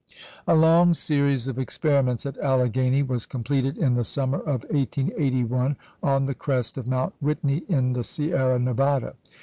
A long series of experiments at Allegheny was completed in the summer of 1881 on the crest of Mount Whitney in the Sierra Nevada.